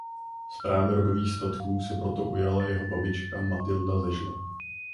Správy rodových statků se proto ujala jeho babička Matylda ze Žleb.